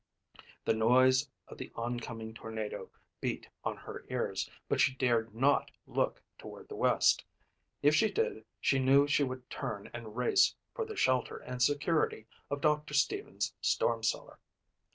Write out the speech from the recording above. The noise of the oncoming tornado beat on her ears, but she dared not look toward the west. If she did she knew she would turn and race for the shelter and security of Doctor Stevens' storm cellar.